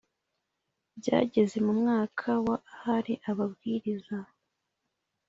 Byageze mu mwaka wa hari ababwiriza